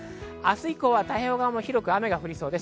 明日以降は太平洋側も広く雨が降りそうです。